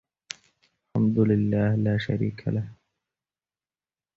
الحمد لله لا شريك له